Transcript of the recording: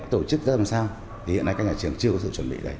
tổ chức ra làm sao thì hiện nay các nhà trường chưa có sự chuẩn bị đầy